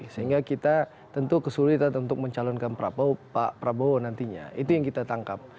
sehingga kita tentu kesulitan untuk mencalonkan pak prabowo nantinya itu yang kita tangkap